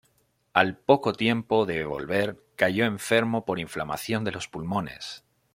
Al poco tiempo de volver cayó enfermo por inflamación de los pulmones.